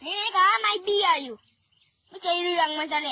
แม่เท่านี้นะครับมายเบี้ยอยู่ไม่ใช่เรื่องมันเสีย